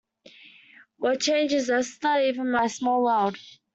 What changes, Esther, even in my small world!